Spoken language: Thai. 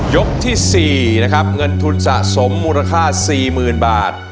ยกที่๔นะครับเงินทุนสะสมมูลค่า๔๐๐๐บาท